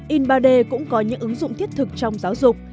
in ba d cũng có những ứng dụng thiết thực trong giáo dục